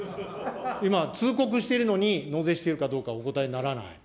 今、通告しているのに、納税してるかどうかお答えにならない。